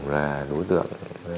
là đối tượng